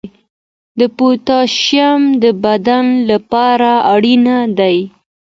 د پوتاشیم د بدن لپاره اړین دی.